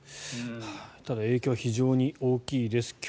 ただ影響は非常に大きいです。